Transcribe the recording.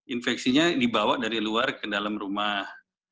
infeksinya dibawa dari luar ke dalam rumah